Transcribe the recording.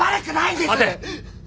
待て。